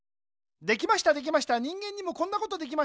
できましたできました人間にもこんなことできました。